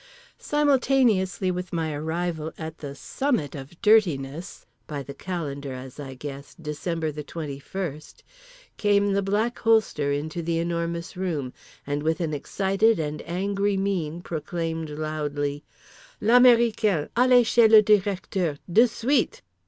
Simultaneously with my arrival at the summit of dirtiness—by the calendar, as I guess, December the twenty first—came the Black Holster into The Enormous Room and with an excited and angry mien proclaimed loudly: "_L'américain! Allez chez le Directeur. De suite.